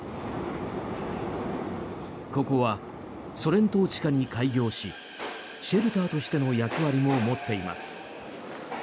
ここはソ連統治下に開業しシェルターとしての役割も持っています。